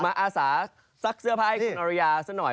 อาสาซักเสื้อผ้าให้คุณอริยาซะหน่อย